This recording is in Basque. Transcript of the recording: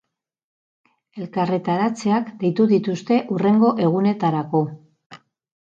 Elkarretaratzeak deitu dituzte hurrengo egunetarako.